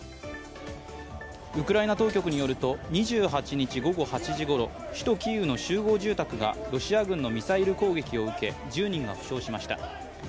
ウクライナ当局によると２８日午後８時ごろ、首都キーウの集合住宅がロシア軍のミサイル攻撃を受け１０人が負傷しました。